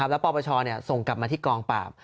แล้วปปชส่งกลับมาที่กองปราบ